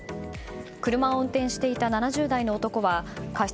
車を運転していた７０代の男は過失